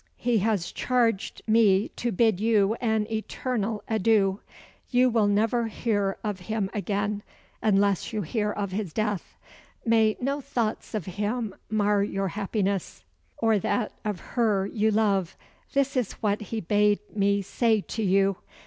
He has charged me to bid you an eternal adieu. You will never hear of him again, unless you hear of his death. May no thoughts of him mar your happiness or that of her you love. This is what he bade me say to you.